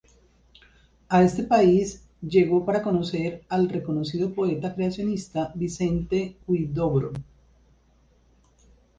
A este país llegó para conocer al reconocido poeta creacionista Vicente Huidobro.